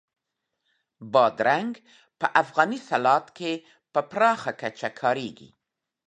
بادرنګ په افغاني سالاد کې په پراخه کچه کارېږي.